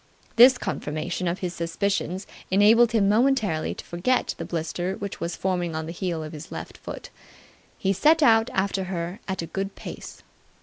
This confirmation of his suspicions enabled him momentarily to forget the blister which was forming on the heel of his left foot. He set out after her at a good pace.